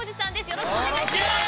よろしくお願いします。